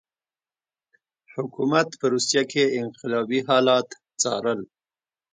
حکومت په روسیه کې انقلاب حالات څارل.